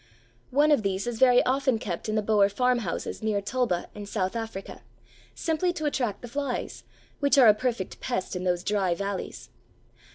One of these is very often kept in the Boer farmhouses near Tulbagh, in South Africa, simply to attract the flies, which are a perfect pest in those dry valleys.